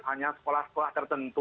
hanya sekolah sekolah tertentu